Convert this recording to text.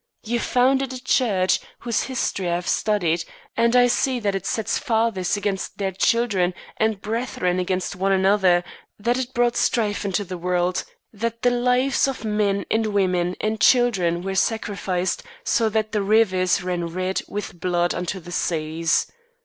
You founded a church, whose history I have studied, and I see that it set fathers against their children and brethren against one another; that it brought strife into the world; that the lives of men and women and children were sacrificed so that the rivers ran red with blood unto the seas.